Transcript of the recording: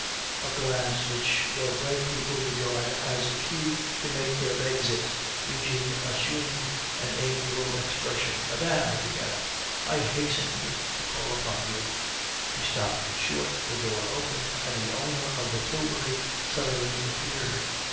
a glance which well bred people regard as a cue to make their exit. Eugene assumed an amiable expression. "Madame," he began, "I hastened to call upon you " He stopped short. The door opened, and the owner of the tilbury suddenly appeared.